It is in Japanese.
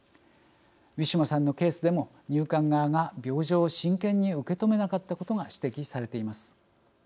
ウィシュマさんのケースでも入管側が病状を真剣に受け止めなかったことが指摘されています。